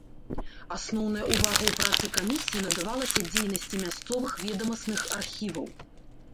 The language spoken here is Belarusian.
Асноўная ўвага ў працы камісіі надавалася дзейнасці мясцовых ведамасных архіваў.